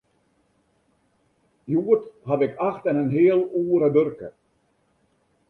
Hjoed haw ik acht en in heal oere wurke.